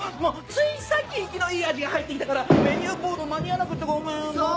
ついさっき生きのいいアジが入って来たからメニューボード間に合わなくてごめん！